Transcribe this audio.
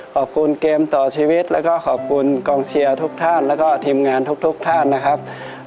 ขอบคุณเกมต่อชีวิตแล้วก็ขอบคุณกองเชียร์ทุกท่านแล้วก็ทีมงานทุกท่านนะครับ